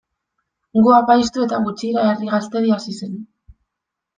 Gu apaiztu eta gutxira Herri Gaztedi hasi zen.